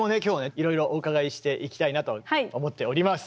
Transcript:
いろいろお伺いしていきたいなと思っております。